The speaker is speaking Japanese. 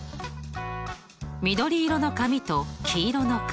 緑色の紙と黄色の紙。